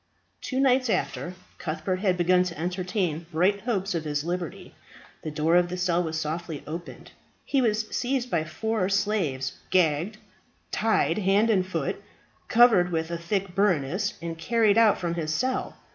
Two nights after Cuthbert had begun to entertain bright hopes of his liberty, the door of the cell was softly opened. He was seized by four slaves, gagged, tied hand and foot, covered with a thick burnous, and carried out from his cell.